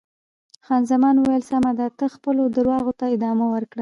خان زمان وویل: سمه ده، ته خپلو درواغو ته ادامه ورکړه.